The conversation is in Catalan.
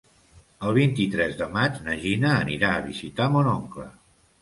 El vint-i-tres de maig na Gina anirà a visitar mon oncle.